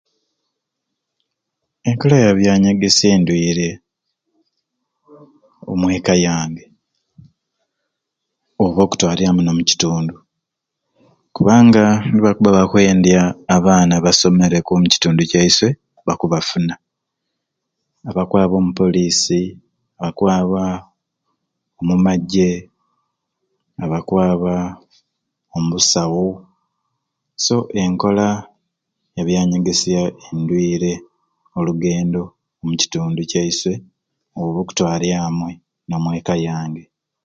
Enkola yabyanyegesya eyindwire omweka yange oba okutwaly'amwei n'omukitundu kubanga lwe bakubba bakwendya abaana abasomereku omu kitundu kyaiswe bakubafuna abakwaba omu poliisi, abakwaba omu magye abakwaba omu busawo so enkola ya byanyegesya eyindwire olugendo omu kitundu kyaiswe oba okutwarya amwei omweka yange.